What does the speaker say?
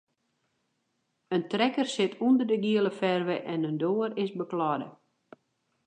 In trekker sit ûnder de giele ferve en in doar is bekladde.